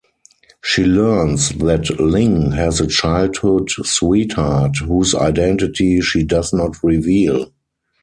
She learns that Ling has a childhood sweetheart, whose identity she does not reveal.